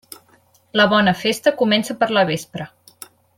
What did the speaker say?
La bona festa comença per la vespra.